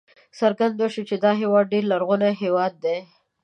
څرګنده شوه چې دا هېواد ډېر لرغونی هېواد دی.